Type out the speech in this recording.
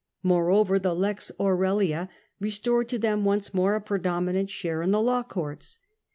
Moreover, the Lex Aurelia, restored to them once more a predominant share in the law courts.